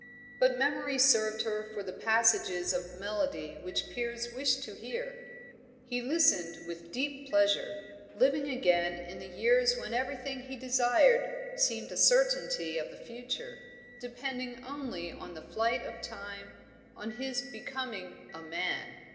But memory served her for the passages of melody which Piers wished to hear. He listened with deep pleasure, living again in the years when everything he desired seemed a certainty of the future, depending only on the flight of time, on his becoming "a man."